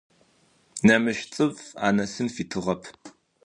Нэмыкӏ цӏыф анэсын фитыгъэп.